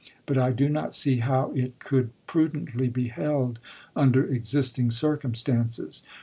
But I do not see how it could prudently be held under existing circumstances.